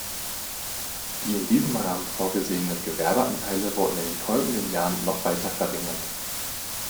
Die in diesem Rahmen vorgesehenen Gewerbe-Anteile wurden in den folgenden Jahren noch weiter verringert.